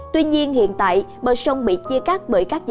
tuy nhiên hiện tại bờ sông bị chia cắt bởi các cây xanh dài